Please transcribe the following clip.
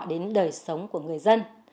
đến đời sống của người dân